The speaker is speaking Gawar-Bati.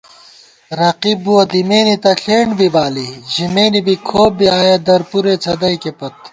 رقیب بُوَہ دِمېنےتہ ݪینڈ بی بالی ژِمېنےبی کھوپ بی آیَہ درپُرے څھدَئیکےپت